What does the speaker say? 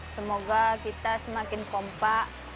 semoga kita semakin kompak